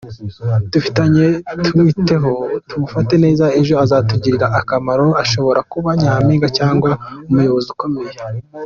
Dufatanye tumwiteho tumufate neza ejo azatugirira akamaro ashobora kuba nyampinga cyangwa umuyobozi ukomeye.